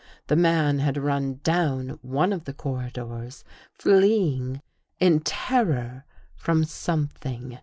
The man had run down one of the corridors, fleeing in terror from something.